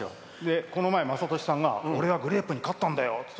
このあいだ雅俊さんが俺はグレープに勝ったんだよって。